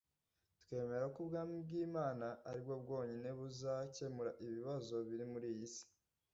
twemera ko ubwami bw imana ari bwo bwonyine buzakemura ibibazo biri muri iyi si